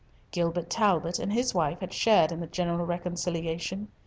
Gilbert Talbot and his wife had shared in the general reconciliation.